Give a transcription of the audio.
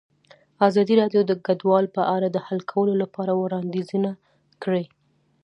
ازادي راډیو د کډوال په اړه د حل کولو لپاره وړاندیزونه کړي.